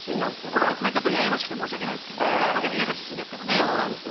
そうですねややこしくて申し訳ないですけど岡山県の田舎出身ですからねそうなんですよ